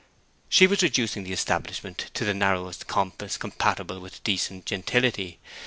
She was reducing the establishment to the narrowest compass compatible with decent gentility.